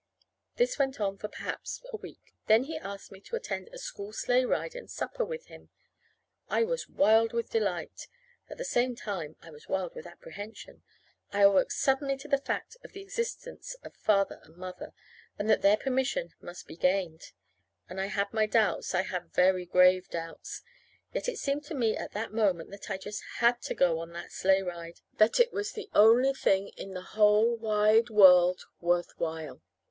This went on for perhaps a week. Then he asked me to attend a school sleigh ride and supper with him. I was wild with delight. At the same time I was wild with apprehension. I awoke suddenly to the fact of the existence of Father and Mother, and that their permission must be gained. And I had my doubts I had very grave doubts. Yet it seemed to me at that moment that I just had to go on that sleigh ride. That it was the only thing in the whole wide world worth while.